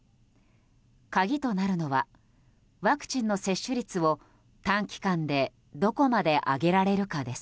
鍵となるのはワクチンの接種率を短期間でどこまで上げられるかです。